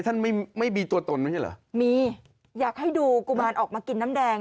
ท่านไม่ไม่มีตัวตนไม่ใช่เหรอมีอยากให้ดูกุมารออกมากินน้ำแดง